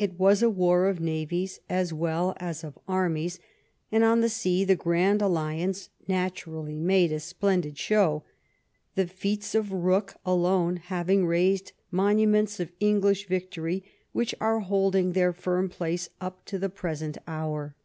It was a war of navies as well as of armies, and on the sea the Grand Alliance naturally made a splendid show, the feats of Booke alone having raised monuments of English victory which are holding their firm place up to the present hour.